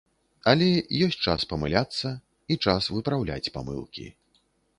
Але ёсць час памыляцца, і час выпраўляць памылкі.